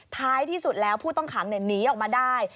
ท้ายที่สุดแล้วผู้ต้องขังหนีออกมาได้